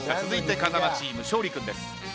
続いて風間チーム勝利君です。